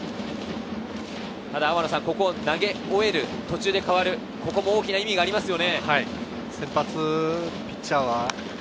ただ、ここを投げ終える、途中で代わる、大きな意味がありますよ